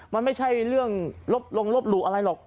มันไม่ใช่เรื่องลบลงลบหลู่อะไรหรอก